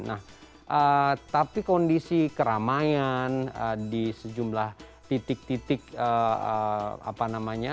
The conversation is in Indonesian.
nah tapi kondisi keramaian di sejumlah titik titik apa namanya